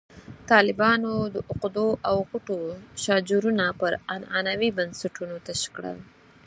طالبانو د عقدو او غوټو شاجورونه پر عنعنوي بنسټونو تش کړل.